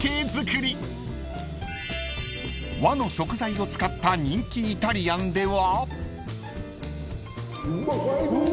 ［和の食材を使った人気イタリアンでは］